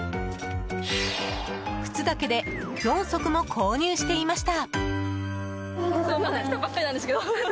靴だけで４足も購入していました。